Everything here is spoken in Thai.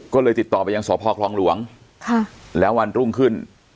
ก็เลยติดต่อไปยังสพคลองหลวงแล้ววันรุ่งขึ้น